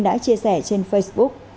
đã chia sẻ trên facebook